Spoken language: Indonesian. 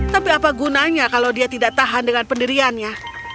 tapi apa gunanya kalau dia tidak tahan dengan pendiriannya